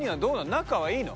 仲はいいの？